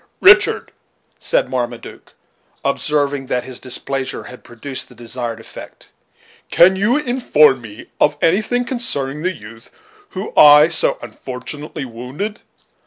"Richard," said Marmaduke, observing that his displeasure had produced the desired effect, "can you inform me of anything concerning the youth whom I so unfortunately wounded?